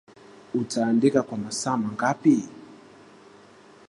Utaandika kwa masaa mangapi